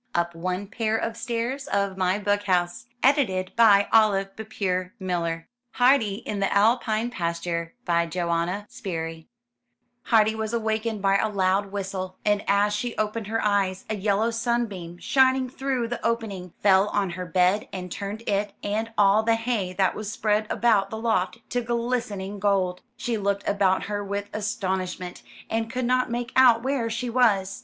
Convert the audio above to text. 276 UP ONE PAIR OF STAIRS ^^>7:r^^,HV^lC ^'>^ V ';,'/:> ^J/h^' =— TT r r HEIDI IN THE ALPINE PASTURE Johanna Spyri Heidi was awakened by a loud whistle; and as she opened her eyes a yellow sunbeam, shining through the opening, fell on her bed, and turned it, and all the hay that was spread about the loft, to glistening gold. She looked about her with astonishment, and could not make out where she was.